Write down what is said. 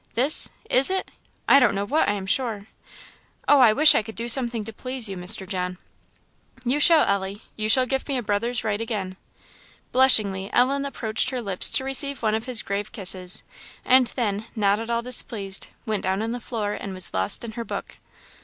"This! is it? I don't know what, I am sure. Oh, I wish I could do something to please you, Mr. John!" "You shall, Ellie; you shall give me a brother's right again." Blushingly Ellen approached her lips to receive one of his grave kisses; and then, not at all displeased, went down on the floor, and was lost in her book.